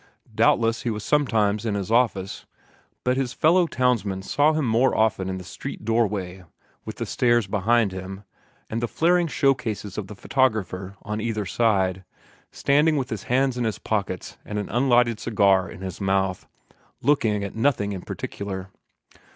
Doubtless he was sometimes in this office; but his fellow townsmen saw him more often in the street doorway, with the stairs behind him, and the flaring show cases of the photographer on either side, standing with his hands in his pockets and an unlighted cigar in his mouth, looking at nothing in particular.